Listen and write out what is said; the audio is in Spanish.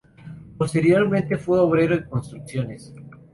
Posteriormente fue obrero en construcciones.